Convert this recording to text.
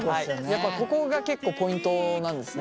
やっぱここが結構ポイントなんですね？